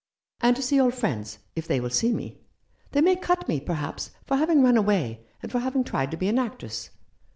"And to see old friends, if they will see me. They may cut me, perhaps, for having run away, and for having tried to be an actress."